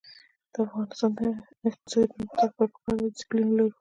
د افغانستان د اقتصادي پرمختګ لپاره پکار ده چې دسپلین ولرو.